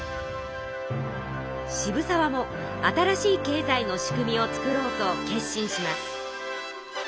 渋沢も新しい経済の仕組みを作ろうと決心します。